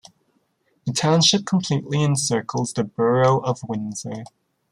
The township completely encircles the borough of Windsor.